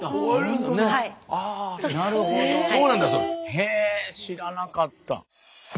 へえ知らなかった。